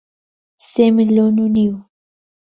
سێ ملیۆن و نیو